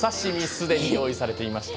すでに用意されていました。